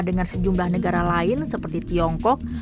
dengan sejumlah negara lain seperti tiongkok